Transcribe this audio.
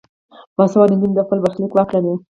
باسواده نجونې د خپل برخلیک واک لري.